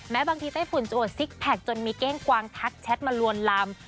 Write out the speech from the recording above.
บางทีไต้ฝุ่นจะอวดซิกแพคจนมีเก้งกวางทักแชทมาลวนลาม